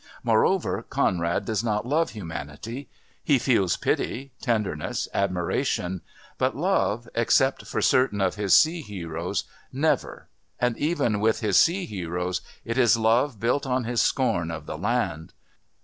Moreover, Conrad does not love humanity. He feels pity, tenderness, admiration, but love, except for certain of his sea heroes, never, and even with his sea heroes it is love built on his scorn of the land.